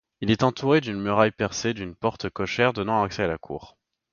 Il est entouré d'une muraille percée d'une porte cochère donnant accès à la cour.